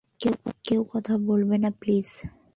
কেউ কথা বলবেন না, প্লিজ!